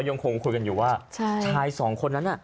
หรือว่าชายสองคนนั้น